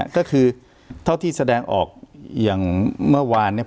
ก็คือเท่าที่แสดงออกอย่างเมื่อวานเนี่ย